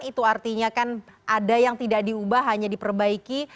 itu artinya kan ada yang tidak diubah hanya diperbaiki